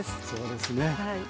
そうですね。